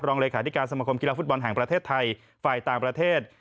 รองเลขาธิการสมคมกีฬาฟุตบอลแห่งประเทศไทยฝ่ายต่างประเทศ